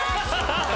ハハハハ！